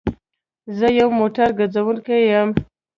زه يو موټر ګرځونکی يم